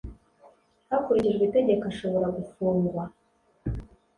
Hakurikijwe Itegeko ashobora gufungwa.